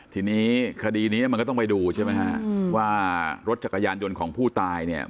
ทีนี้คดีนี้มันก็ต้องไปดูใช่ไหมฮะว่ารถจักรยานยนต์ของผู้ตายเนี่ย